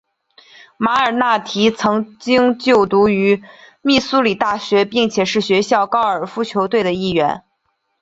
马尔纳提曾经就读于密苏里大学并且是学校高尔夫球队的一员。